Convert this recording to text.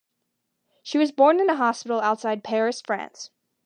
She was born in a hospital outside Paris, France.